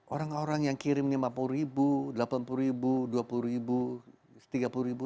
orang orang yang kirim lima puluh ribu delapan puluh ribu dua puluh ribu tiga puluh ribu